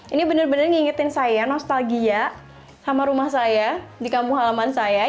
ini benar benar ngingetin saya nostalgia sama rumah saya di kampung halaman saya